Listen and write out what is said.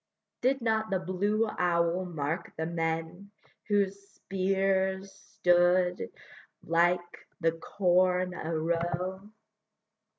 Did not the blue owl mark the men Whose spears stood like the corn a row?